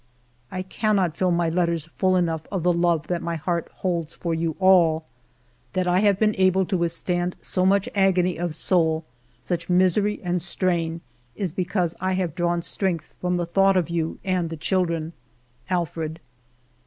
" I cannot fill my letters full enough of the love that my heart holds for you all. That I 238 FIVE YEARS OF MY LIFE have been able to withstand so much agony of soul, such misery and strain, is because I have drawn strength from the thought of you and the children. Alfred."